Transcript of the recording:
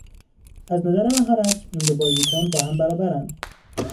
از نظر مهارت این دو بازیکن با هم برابرند.